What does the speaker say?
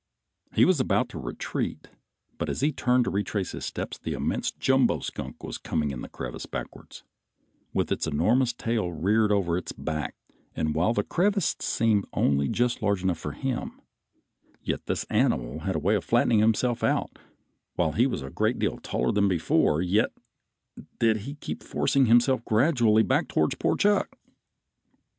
He was about to retreat, but as he turned to retrace his steps the immense Jumbo skunk was coming in the crevice backwards, with its enormous tail reared over its back, and while the crevice seemed only just large enough for him, yet this great animal had a way of flattening himself out that, while he was a great deal taller than before, yet did he keep forcing himself gradually back towards poor Chuck.